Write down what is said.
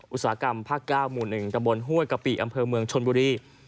อุตสาหกรรมภาค๙หมู่๑ตะบนห้วยกะปิอำเภอเมืองชนบุรี